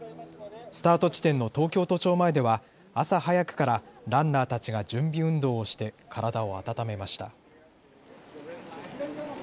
スタート地点の東京都庁前では朝早くからランナーたちが準備運動をして体を温めました。